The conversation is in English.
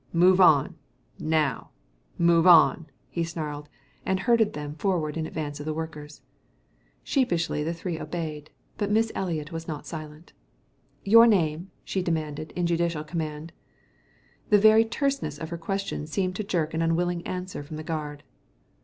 "Move on, now move on," he snarled, and herded them forward in advance of the workers. Sheepishly the three obeyed, but Miss Eliot was not silent. "Your name?" she demanded in judicial command. The very terseness of her question seemed to jerk an unwilling answer from the guard.